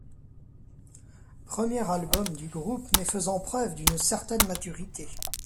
Premier album du groupe mais faisant preuve d'une certaine maturité.